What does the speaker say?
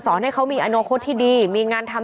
ก็เป็นสถานที่ตั้งมาเพลงกุศลศพให้กับน้องหยอดนะคะ